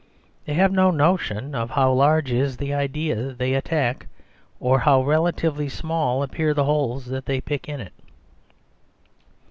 They have no notion of how large is the idea they attack; or how relatively small appear the holes that they pick in it.